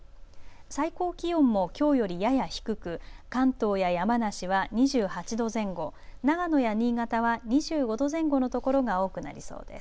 最高気温もきょうよりやや低く関東や山梨は２８度前後、長野や新潟は２５度前後の所が多くなりそうです。